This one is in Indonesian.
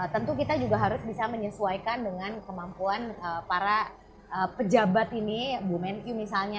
tentu kita juga harus bisa menyesuaikan dengan kemampuan para pejabat ini bu menkyu misalnya